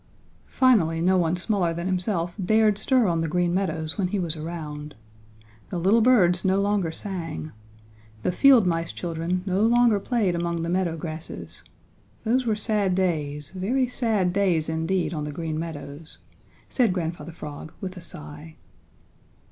Finally no one smaller than himself dared stir on the Green Meadows when he was around. The little birds no longer sang. The Fieldmice children no longer played among the meadow grasses. Those were sad days, very sad days indeed on the Green Meadows," said Grandfather Frog, with a sigh.